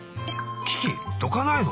キキどかないの？